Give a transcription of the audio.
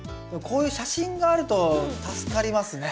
こういう写真があると助かりますね。